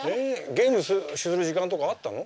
ゲームする時間とかあったの？